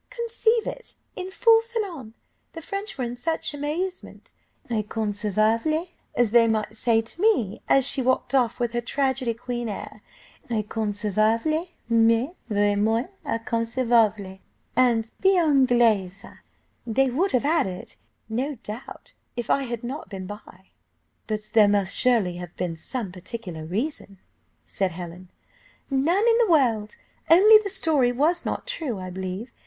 Conceive it, in full salon! The French were in such amazement. 'Inconceivable!' as they might well say to me, as she walked off with her tragedy queen air; 'Inconcevable mais, vraiment inconcevable;' and 'Bien Anglaise,' they would have added, no doubt, if I had not been by." "But there must surely have been some particular reason," said Helen. "None in the world, only the story was not true, I believe.